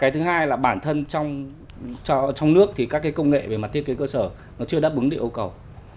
thứ hai là bản thân trong nước thì các cái công nghệ về mặt thiết kế cơ sở nó chưa đáp ứng địa yêu cầu